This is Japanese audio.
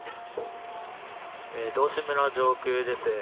道志村上空です。